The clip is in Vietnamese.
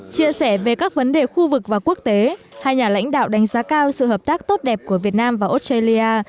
chia sẻ về các vấn đề khu vực và quốc tế hai nhà lãnh đạo đánh giá cao sự hợp tác tốt đẹp của việt nam và australia